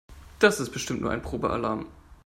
Das ist bestimmt nur ein Probealarm.